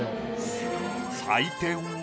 採点は。